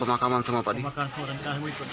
pemakaman semua kami ikut